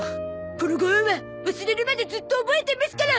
このご恩は忘れるまでずっと覚えてますから！